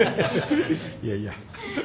いやいや。